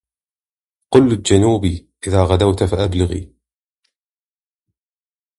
قل للجنوب إذا غدوت فأبلغي